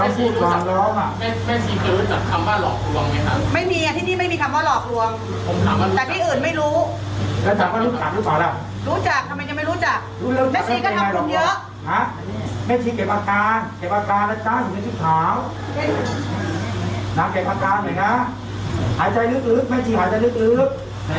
สาวน้ำเก็บปังกาลไหนฮะหายใจลืกแม่ชีหายใจลืก